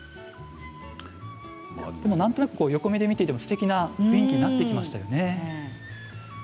でもなんとなく横目で見ていてもすてきな雰囲気になってきましたよ。